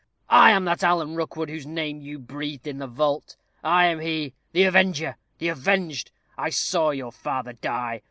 I am that Alan Rookwood whose name you breathed in the vault. I am he, the avenger the avenged. I saw your father die.